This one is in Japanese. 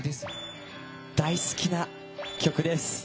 大好きな曲です。